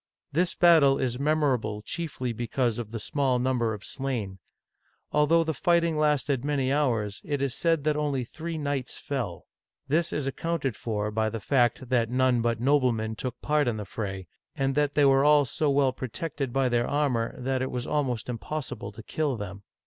This battle is memorable chiefly because of the small number of slain. Although the fighting lasted many hours, it is said that only three knights fell. This is ac counted for by the fact that none but noblemen took part in the fray, and that they were all so well protected by their armor that it was almost impossible to kill them.